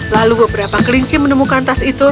lalu beberapa kelinci menemukan tas itu